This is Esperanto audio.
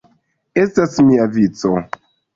Estas mia vico!